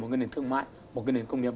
một nền thương mại một nền công nghiệp